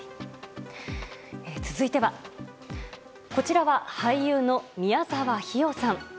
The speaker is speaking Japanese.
続いてはこちらは俳優の宮沢氷魚さん。